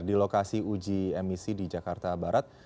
di lokasi uji emisi di jakarta barat